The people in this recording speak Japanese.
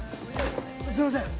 すいません！